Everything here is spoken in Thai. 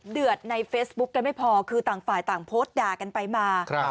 เดือดในเฟซบุ๊คกันไม่พอคือต่างฝ่ายต่างโพสต์ด่ากันไปมา